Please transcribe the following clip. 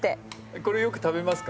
これよく食べますか？